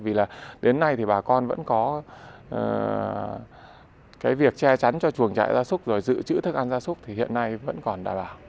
vì đến nay bà con vẫn có việc che chắn cho chuồng chạy ra súc rồi giữ chữ thức ăn ra súc thì hiện nay vẫn còn đảm bảo